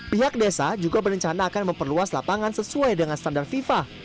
pihak desa juga berencana akan memperluas lapangan sesuai dengan standar fifa